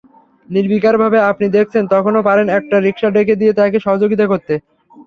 নির্বিকারভাবে আপনি দেখছেন, তখনো পারেন একটা রিকশা ডেকে দিয়ে তাঁকে সহযোগিতা করতে।